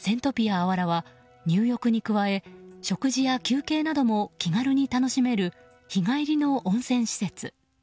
あわらは入浴に加え、食事や休憩なども気軽に楽しめる日帰りの温泉施設。